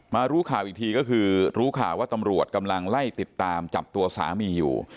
รู้ข่าวอีกทีก็คือรู้ข่าวว่าตำรวจกำลังไล่ติดตามจับตัวสามีอยู่